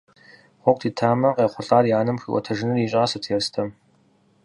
Гъуэгу тетамэ, къехъулӏар и анэм хуиӏуэтэжыныр и щӏасэт Ерстэм.